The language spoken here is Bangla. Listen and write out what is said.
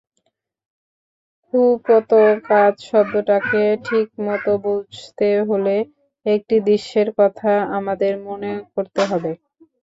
কুপোকাত শব্দটাকে ঠিকমতো বুঝতে হলে একটি দৃশ্যের কথা আমাদের মনে করতে হবে।